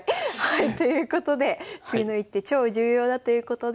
ということで次の一手超重要だということです。